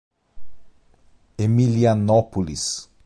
Emilianópolis